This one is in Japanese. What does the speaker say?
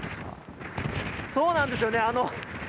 そうなんですよね。